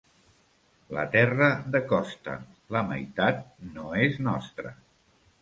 La terra de costa, la meitat no és nostra.